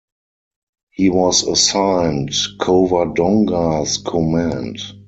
He was assigned "Covadonga"'s command.